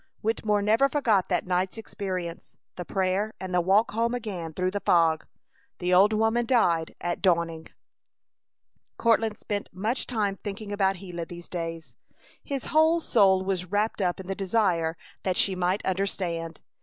Wittemore never forgot that night's experience the prayer, and the walk home again through the fog. The old woman died at dawning. Courtland spent much time thinking about Gila these days. His whole soul was wrapped up in the desire that she might understand.